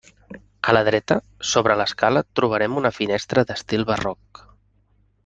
A la dreta, sobre l'escala trobem una finestra d'estil barroc.